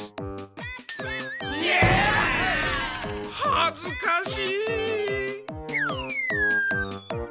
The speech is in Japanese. はずかしい！